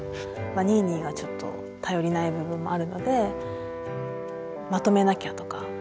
ニーニーがちょっと頼りない部分もあるのでまとめなきゃとか。